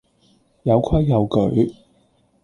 有規有矩